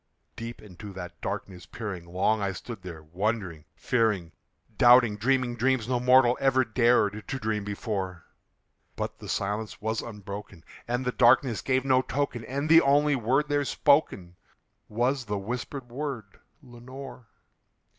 Deep into that darkness peering, long I stood there wondering, fearing, Doubting, dreaming dreams no mortal ever dared to dream before; But the silence was unbroken, and the darkness gave no token, And the only word there spoken was the whispered word, "Lenore!"